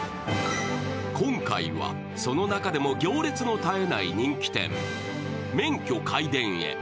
今回はその中でも行列の絶えない人気店・麺許皆伝へ。